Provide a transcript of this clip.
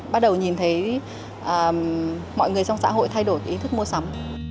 bắt đầu nhìn thấy mọi người trong xã hội thay đổi ý thức mua sắm